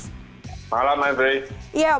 selamat malam mbak ibrahim